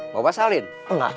bapak salin pengal